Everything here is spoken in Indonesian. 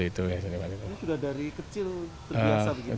ini sudah dari kecil terbiasa begini